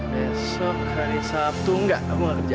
besok hari sabtu enggak aku gak kerja